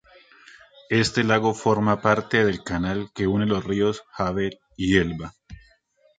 Este lago forma parte del canal que une los ríos Havel y Elba.